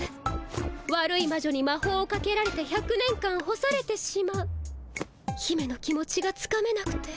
悪いま女にまほうをかけられて１００年間干されてしまう姫の気持ちがつかめなくて。